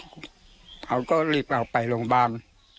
เขาก็รีบเอาไปโรงพยาบาล